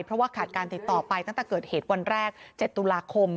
เพราะว่าขาดการติดต่อไปตั้งแต่เกิดเหตุวันแรก๗ตุลาคม